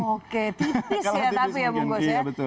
oke tipis ya tapi ya bungkus ya